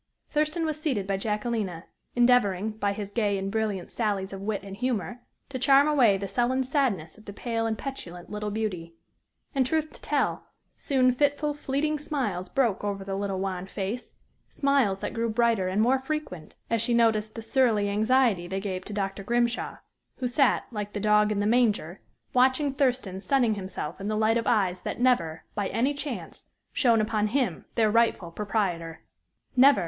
Thurston was seated by Jacquelina, endeavoring, by his gay and brilliant sallies of wit and humor, to charm away the sullen sadness of the pale and petulant little beauty. And, truth to tell, soon fitful, fleeting smiles broke over the little wan face smiles that grew brighter and more frequent as she noticed the surly anxiety they gave to Dr. Grimshaw, who sat, like the dog in the manger, watching Thurston sunning himself in the light of eyes that never, by any chance, shone upon him, their rightful proprietor! Never!